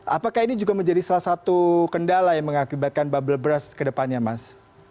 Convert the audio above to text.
apakah ini juga menjadi salah satu kendala yang mengakibatkan bubble brush ke depannya mas